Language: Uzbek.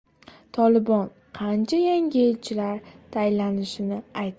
"Tolibon" qachon yangi elchilar tayinlanishini aytdi